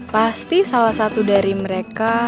pasti salah satu dari mereka